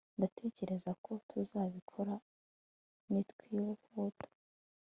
Ndatekereza ko tuzabikora nitwihuta